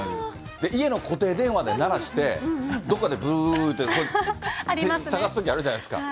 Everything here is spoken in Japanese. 家の固定電話で鳴らして、どこかでぶーって、探すときあるじゃないですか。